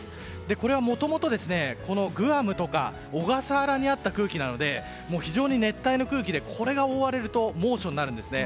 これはもともと、グアムとか小笠原にあった空気なので非常に熱帯の空気でこれが覆われると猛暑になるんですね。